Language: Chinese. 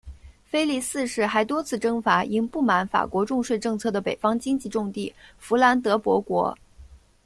腓力四世还多次征伐因不满法国重税政策的北方经济重地佛兰德伯国。